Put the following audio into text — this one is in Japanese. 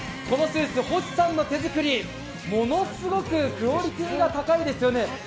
このスーツ、星さんの手作りものすごくクオリティーが高いですよね。